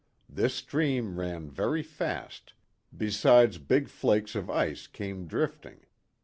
This stream ran very fast, besides big flakes of ice came drifting.